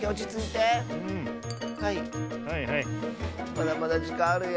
まだまだじかんあるよ。